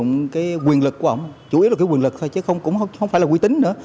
ông đã lợi dụng quyền lực của ông chủ yếu là quyền lực thôi chứ không phải là quy tính nữa